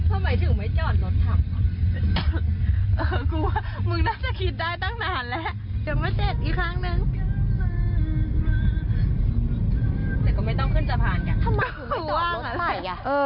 อ่าให้คุณมาฟังเสียงด้วย